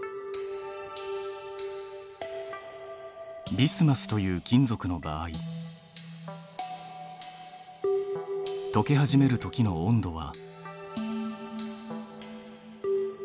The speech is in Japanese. ビスマスという金属の場合とけ始めるときの温度は。